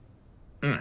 うん。